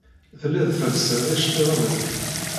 Tellid telsid iceḍḍiḍen-nnek.